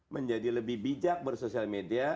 menjadi lebih bijak bersosial media